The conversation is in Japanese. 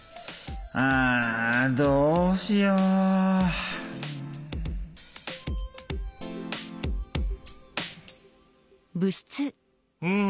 あどうしよううん。